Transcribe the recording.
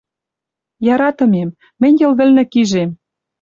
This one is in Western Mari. «Яратымем, мӹнь Йыл вӹлнӹ кижем...